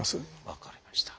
分かりました。